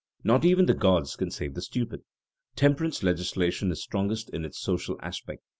Not even the gods can save the stupid. Temperance legislation is strongest in its social aspect.